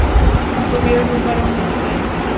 Tuvieron un varón y dos mujeres.